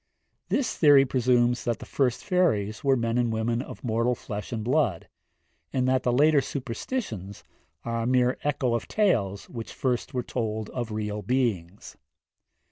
This theory presumes that the first fairies were men and women of mortal flesh and blood, and that the later superstitions are a mere echo of tales which first were told of real beings.